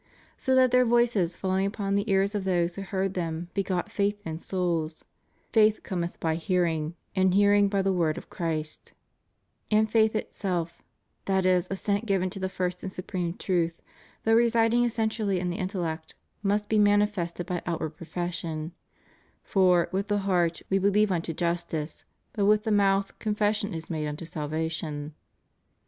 So that their voices falling upon the ears of those who heard them begot faith in souls — Faith cometh by hearing, and hearing by the word of Christ} And faith itself — that is assent given to the first and supreme truth — though residing essentially in the intellect, must be manifested by outward profession — For, with the heart, we believe unto justice; but with the mouth, confession is made unto salvation.